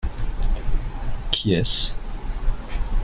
Qui est-ce ?